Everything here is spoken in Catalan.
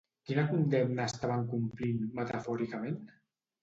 Quina condemna estaven complint, metafòricament?